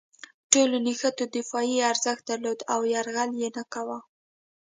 ټولو نښتو دفاعي ارزښت درلود او یرغل یې نه کاوه.